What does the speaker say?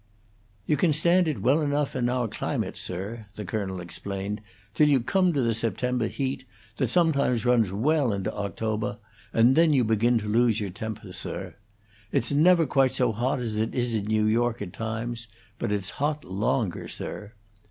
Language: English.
"You can stand it well enough in our climate, sir," the colonel explained, "till you come to the September heat, that sometimes runs well into October; and then you begin to lose your temper, sir. It's never quite so hot as it is in New York at times, but it's hot longer, sir."